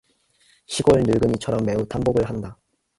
시골 늙은이처럼 매우 탄복을 한다.